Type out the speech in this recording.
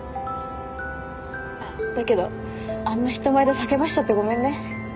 だけどあんな人前で叫ばせちゃってごめんね。